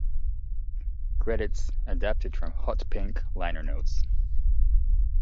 Credits adapted from "Hot Pink" liner notes.